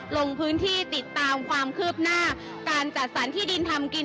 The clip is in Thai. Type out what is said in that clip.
ลงพื้นที่ติดตามความคืบหน้าการจัดสรรที่ดินทำกิน